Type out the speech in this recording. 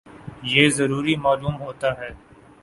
یہ ضروری معلوم ہوتا ہے